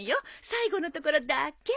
最後のところだけ。